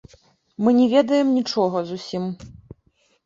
Мы не ведаем нічога зусім.